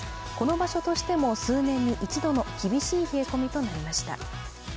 この場所としても数年に一度の厳しい冷え込みとなりました。